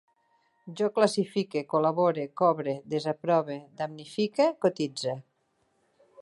Jo classifique, col·labore, cobre, desaprove, damnifique, cotitze